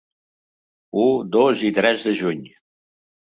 U, dos i tres de juny.